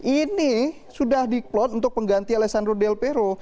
ini sudah diplot untuk pengganti alessandro delpero